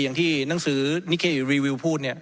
อย่างที่หนังสือนิเครีวิวพูดเนี่ย